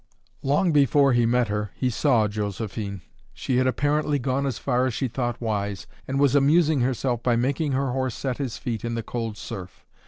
Long before he met her he saw Josephine. She had apparently gone as far as she thought wise, and was amusing herself by making her horse set his feet in the cold surf.